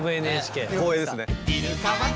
光栄ですね。